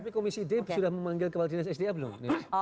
tapi komisi d sudah memanggil kepala dinas sda belum